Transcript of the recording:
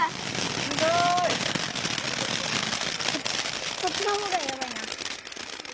すごい！こっちの方がやばいな。